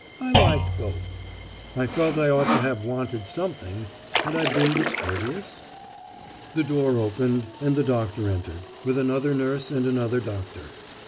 I liked both. I felt I ought to have wanted something: had I been discourteous? The door opened, and the doctor entered, with another nurse and another doctor.